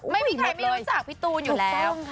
ไม่มีใครไม่รู้จักพี่ตูนอยู่แล้ว